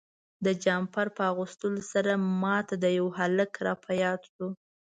د جمپر په اغوستلو سره ما ته یو هلک را په یاد شو.